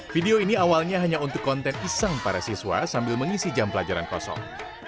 video ini awalnya hanya untuk konten iseng para siswa sambil mengisi jam pelajaran kosong